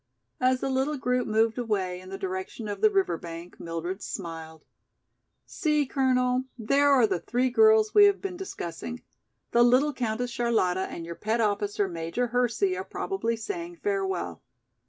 As the little group moved away in the direction of the river bank, Mildred smiled. "See, Colonel, there are the three girls we have been discussing! The little Countess Charlotta and your pet officer, Major Hersey, are probably saying farewell.